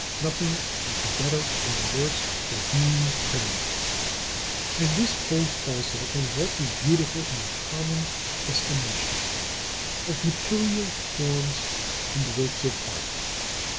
Nothing is the better or the worse for being praised; and this holds also of what is beautiful in the common estimation: of material forms and works of art.